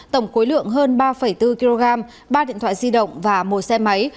tổng khối lượng hơn ba bốn kg ba điện thoại di động và một xe máy